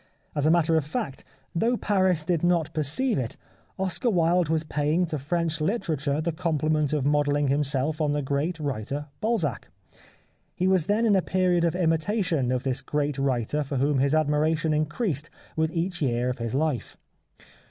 As a matter of fact, though Paris did not per ceive it, Oscar Wilde was paying to French literature the compliment of modelling himself on the great writer Balzac. He was then in a period of imitation of this great writer for whom his admiration increased with each year of his life.